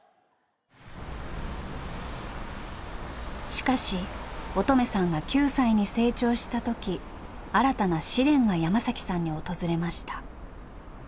しかし音十愛さんが９歳に成長した時新たな試練が山さんに訪れました。